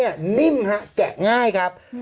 โอเคโอเคโอเค